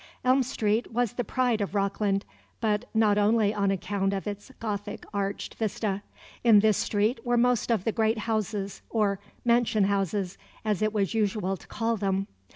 Elm Street was the pride of Rockland, but not only on account of its Gothic arched vista. In this street were most of the great houses, or "mansion houses," as it was usual to call them.